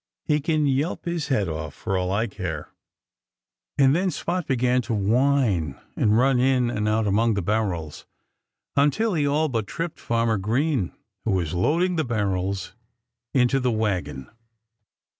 "He can yelp his head off, for all I care." And then Spot began to whine, and run in and out among the barrels, until he all but tripped Farmer Green, who was loading the barrels into the wagon.